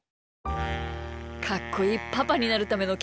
かっこいいパパになるためのけんきゅう！